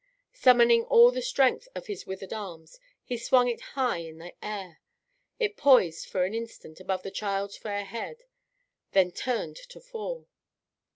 Summoning all the strength of his withered arms, he swung it high in the air. It poised for an instant above the child's fair head then turned to fall.